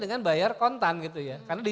dengan bayar kontan gitu ya